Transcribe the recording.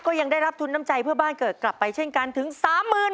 ยังได้รับทุนน้ำใจเพื่อบ้านเกิดกลับไปเช่นกันถึง๓๐๐๐บาท